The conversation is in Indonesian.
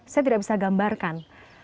saya tidak bisa gambarkan